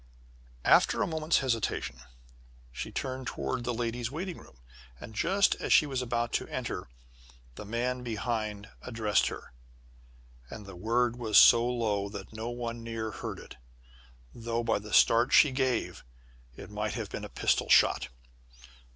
After a moment's hesitation, she turned toward the ladies' waiting room, and just as she was about to enter, the man behind addressed her and the word was said so low that no one near heard it though, by the start she gave, it might have been a pistol shot.